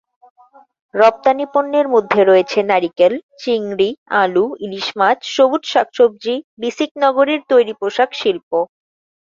রপ্তানী পণ্যের মধ্যে রয়েছে নারিকেল, চিংড়ি, আলু, ইলিশ মাছ, সবুজ শাক-সবজি, বিসিক নগরীর তৈরি পোশাক শিল্প।